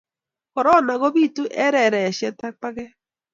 korona kobitu eng rereshiet ak paket